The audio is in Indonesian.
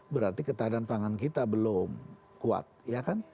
berarti ketahanan pangan kita belum kuat ya kan